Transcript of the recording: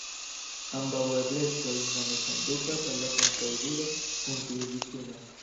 Ambaŭ eblecoj nome kondukas al kontraŭdiro kun ties difino.